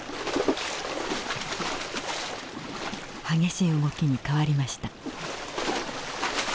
激しい動きに変わりました。